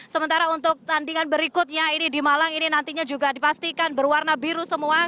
sementara untuk tandingan berikutnya ini di malang ini nantinya juga dipastikan berwarna biru semua